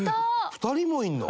２人もいるの？